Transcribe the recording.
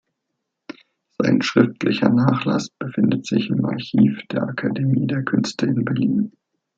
Sein schriftlicher Nachlass befindet sich im Archiv der Akademie der Künste in Berlin.